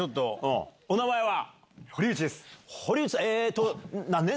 お名前は？